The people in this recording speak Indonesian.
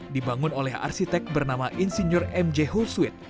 dibangun oleh arsitek bernama insinyur m j houswit